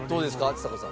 ちさ子さん。